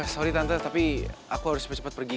sorry tante tapi aku harus cepet cepet pergi